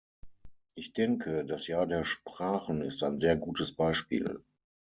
Ich denke, das Jahr der Sprachen ist ein sehr gutes Beispiel.